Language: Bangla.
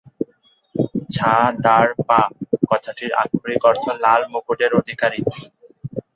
ঝ্বা-দ্মার-পা কথাটির আক্ষরিক অর্থ লাল মুকুটের অধিকারী।